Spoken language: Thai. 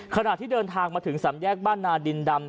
ขณะที่เดินทางมาถึงสามแยกบ้านนาดินดำ